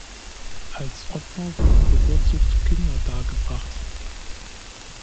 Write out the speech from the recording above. Als Opfer wurden bevorzugt Kinder dargebracht.